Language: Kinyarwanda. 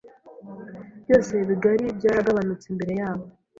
byose bigari byaragabanutse Imbere yabo